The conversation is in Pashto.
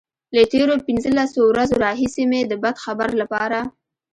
له تېرو پنځلسو ورځو راهيسې مې د بد خبر لپاره.